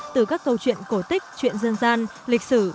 từ các câu chuyện cổ tích chuyện dân gian lịch sử